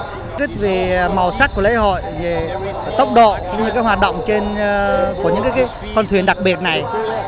phấn khích vì màu sắc của lễ hội về tốc độ những cái hoạt động trên những cái con thuyền đặc biệt này